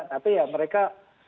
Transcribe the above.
tapi ya mereka